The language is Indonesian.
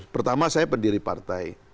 pertama saya pendiri partai